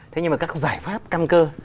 thế nhưng mà các giải pháp căm cơ